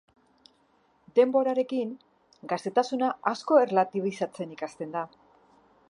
Denborarekin, gaztetasuna asko erlatibizatzen ikasten da.